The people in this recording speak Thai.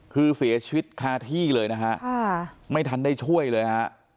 คือเสียชีวิตคาที่เลยนะฮะไม่ทันได้ช่วยเลยฮะ